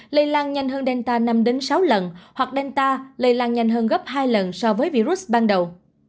lây lan nhanh hơn delta năm sáu lần hoặc delta lây lan nhanh hơn gấp hai lần so với virus ban đầu